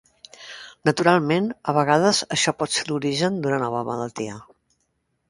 Naturalment, a vegades això pot ser l'origen d'una nova malaltia.